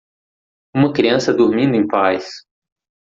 Uma criança dormindo em paz